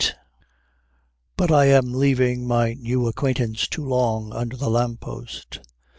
But I am leaving my new acquaintance too long under the lamp post.